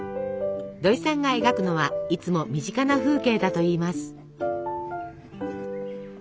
どいさんが描くのはいつも身近な風景だといいます。